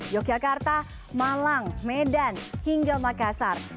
yogyakarta malang medan hingga makassar